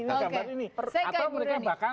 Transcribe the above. atau mereka bahkan